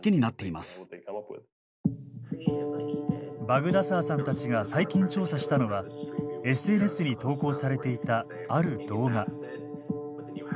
バグダサーさんたちが最近調査したのはＳＮＳに投稿されていたある動画。